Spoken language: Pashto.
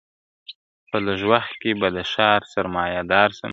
په لږ وخت کي به د ښار سرمایه دار سم ..